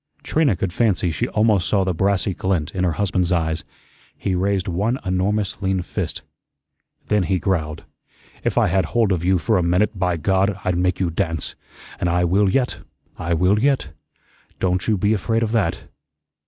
Trina could fancy she almost saw the brassy glint in her husband's eyes. He raised one enormous lean fist. Then he growled: "If I had hold of you for a minute, by God, I'd make you dance. An' I will yet, I will yet. Don't you be afraid of that."